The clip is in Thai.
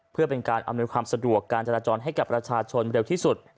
เพื่อเป็นการอำนวยความสะดวกการจราจรให้กับประชาชนเร็วที่สุด